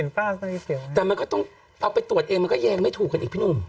แต่มันก็ต้องเอาไปตรวจเองมันก็แยงไม่ถูกกันอีกพี่หนุ่ม